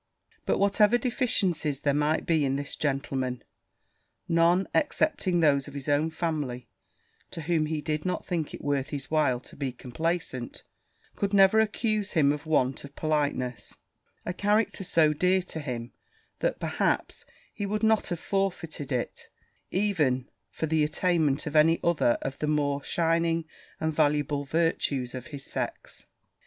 But whatever deficiencies there might be in this gentleman, none, excepting those of his own family, to whom he did not think it worth his while to be complaisant, could ever accuse him of want of politeness a character so dear to him, that, perhaps he would not have forfeited it, even for the attainment of any other of the more shining and valuable virtues of his sex.